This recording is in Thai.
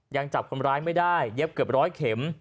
ยังจับคนร้ายไม่ได้เย็บเกือบร้อยเข็ม